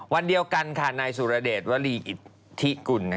วันเดียวกันค่ะนายสุรเดชวรีอิทธิกุล